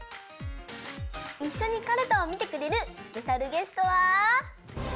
いっしょにかるたをみてくれるスペシャルゲストは。